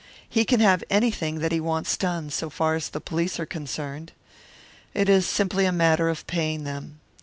He can have anything that he wants done, so far as the police are concerned. It is simply a matter of paying them.